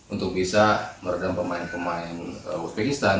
untuk bisa meredam pemain pemain west pakistan